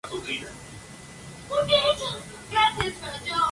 Tuvieron un hijo, Robert Scott Crane, y adoptaron una niña, Ana Marie.